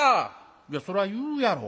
「いやそら言うやろ。